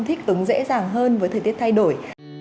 thích ứng dễ dàng hơn với thời tiết thay đổi